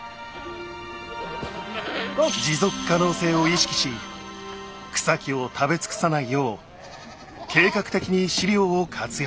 持続可能性を意識し草木を食べ尽くさないよう計画的に飼料を活用。